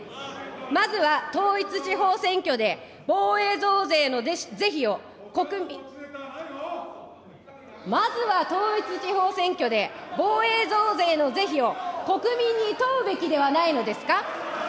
まずは統一地方選挙で防衛増税の是非を、まずは統一地方選挙で、防衛増税の是非を国民に問うべきではないのですか。